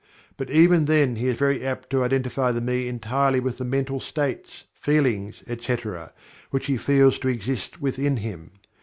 But even then he is very apt to identify the "Me" entirely with the mental states, feelings, etc., which he feels to exist within him.